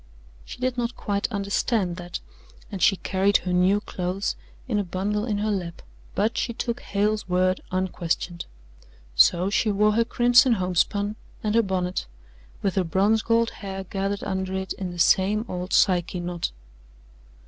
She did not quite understand that, and she carried her new clothes in a bundle in her lap, but she took Hale's word unquestioned. So she wore her crimson homespun and her bonnet, with her bronze gold hair gathered under it in the same old Psyche knot.